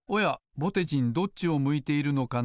ぼてじんどっちを向いているのかな？